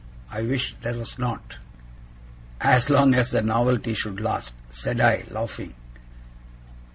I wish there was not.' 'As long as the novelty should last,' said I, laughing.